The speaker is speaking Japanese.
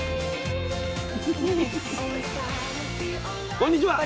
こんにちは。